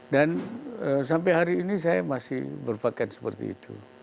dan sampai hari ini saya masih berpakaian seperti itu